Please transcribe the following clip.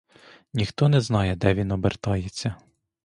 Ніхто не знає, де він обертається.